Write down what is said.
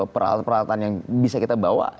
peralatan peralatan yang bisa kita bawa